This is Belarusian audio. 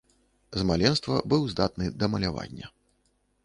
З маленства быў здатны да малявання.